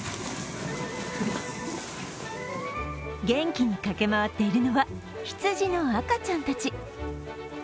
元気に駆け回っているのは羊の赤ちゃんたち。